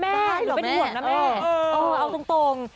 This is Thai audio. แม่เป็นห่วงนะแม่เออเอาตรง